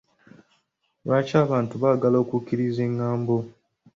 Lwaki abantu baagala okukkiriza engambo?